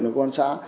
lực lượng công an xã